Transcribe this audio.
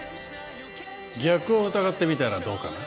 逆を疑ってみたらどうかな？